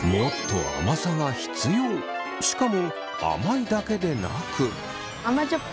しかも甘いだけでなく。